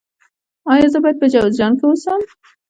ایا زه باید په جوزجان کې اوسم؟